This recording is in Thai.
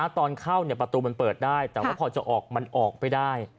ตอนเข้าประตูมันเปิดได้แต่ว่าพอจะออกมันออกไปได้